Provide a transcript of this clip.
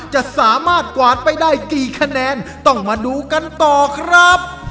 จะสามารถกวาดไปได้กี่คะแนนต้องมาดูกันต่อครับ